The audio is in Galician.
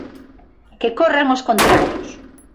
Que corran os contrarios.